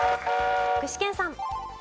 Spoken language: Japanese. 具志堅さん。